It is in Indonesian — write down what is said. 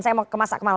saya mau ke mas akmal